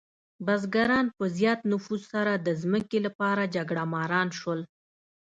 بزګران په زیات نفوس سره د ځمکې لپاره جګړهماران شول.